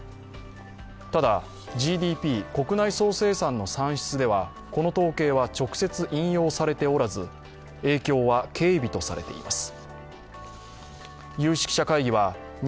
ただ、ＧＤＰ＝国内総生産の算出ではこの統計は直接引用されておらず影響は軽微とされています。